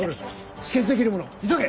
透止血できるものを急げ！